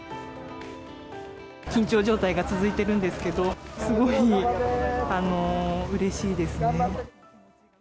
緊張状態が続いてるんですけど、すごいうれしいですね。